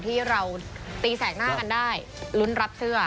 ที่เราตีแสกหน้ากันได้ลุ้นรับเสื้อ